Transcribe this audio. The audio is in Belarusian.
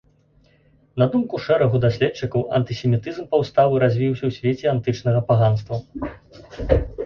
На думку шэрагу даследчыкаў, антысемітызм паўстаў і развіўся ў свеце антычнага паганства.